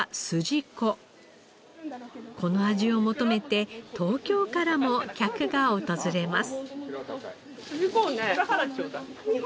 この味を求めて東京からも客が訪れます。